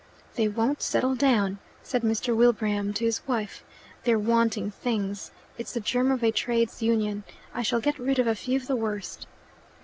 "They won't settle down," said Mr. Wilbraham to his wife. "They're wanting things. It's the germ of a Trades Union. I shall get rid of a few of the worst."